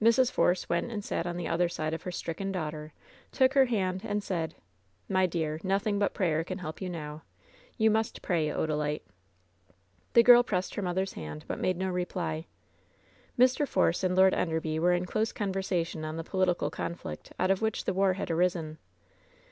Mrs. Force went and sat on the other side of her stricken daughter, took her hand, and said: "My dear, nothing but prayer can help you now. You must pray, Odalite." The girl pressed her mother^s hand, but made no reply. Mr. Force and Lord Enderby were in close conversa tion on the political conflict out of which the war had arisen.